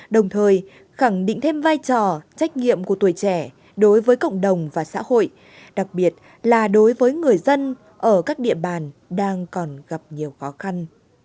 đồng thời khẳng định thêm vai trò trách nhiệm của tuổi trẻ đối với cộng đồng và xã hội đặc biệt là đối với người dân ở các địa bàn đang còn gặp nhiều khó khăn